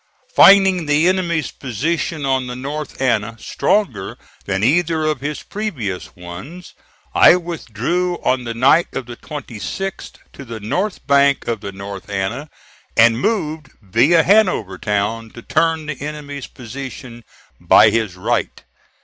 Finding the enemy's position on the North Anna stronger than either of his previous ones, I withdrew on the night of the 26th to the north bank of the North Anna, and moved via Hanover Town to turn the enemy's position by his right.